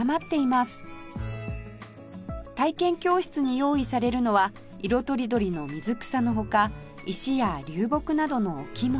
体験教室に用意されるのは色とりどりの水草の他石や流木などの置物